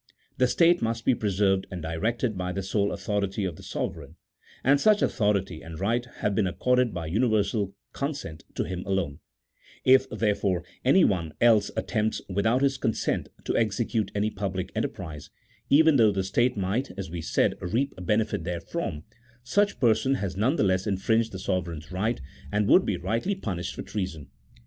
The state must be preserved and directed by the sole authority of the sovereign, and such authority and right have been accorded by universal consent to him alone : if, therefore, anyone else attempts, without his consent, to execute any public enterprise, even though the state might (as we said) reap benefit therefrom, such person has none the less infringed the sovereign's right, and would be rightly punished for treason.